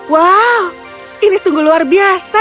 wow ini sungguh luar biasa